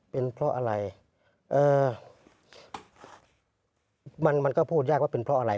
เป็นเพราะอะไรมันก็พูดยากว่าเป็นเพราะอะไร